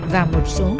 và một số ngục